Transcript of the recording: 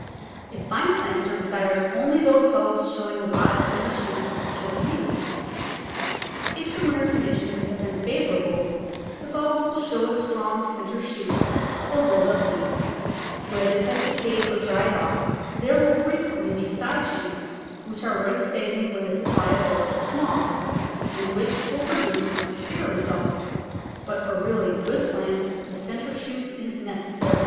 If fine plants are desired only those bulbs showing a live centre shoot should be used. If the winter conditions have been favour able the bulbs will show a strong centre shoot or rolled up leaf; where this has decayed or dried off there will frequently be side shoots which are worth saving when the supply of bulbs is small, and which will produce fair results, but for really good plants the centre shoot is necessary.